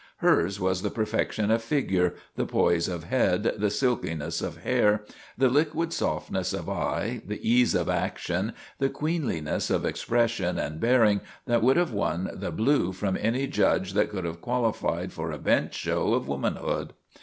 Hers was the perfection of figure, the poise of head, the silkiness of hair, the liquid softness of eye, the ease of action, the queenliness of expression and bearing that would have won the blue from any judge that could have qualified for a bench show of womanhood.